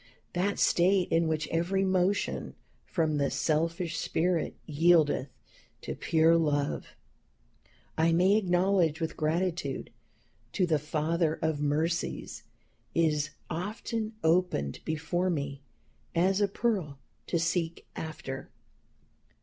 That state in which every motion from the selfish spirit yieldeth to pure love, I may acknowledge with gratitude to the Father of Mercies, is often opened before me as a pearl to seek after."